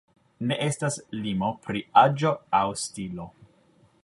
Ne estas limo pri aĝo aŭ stilo.